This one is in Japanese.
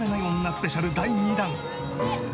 スペシャル第２弾。